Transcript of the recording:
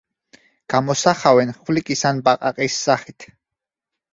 გამოსახავენ ხვლიკის ან ბაყაყის სახით.